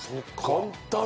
簡単！